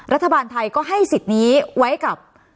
รัฐบาลไทยก็ให้สิทธิ์นี้ไว้กับ